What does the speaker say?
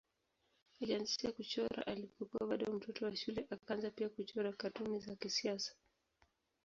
Alianza kuchora alipokuwa bado mtoto wa shule akaanza pia kuchora katuni za kisiasa.